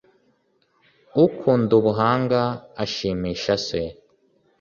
ukunda ubuhanga ashimisha se